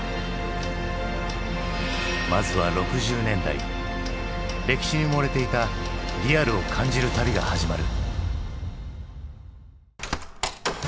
まずは６０年代歴史に埋もれていたリアルを感じる旅が始まる。